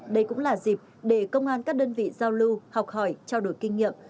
đây cũng là dịp để công an các đơn vị giao lưu học hỏi trao đổi kinh nghiệm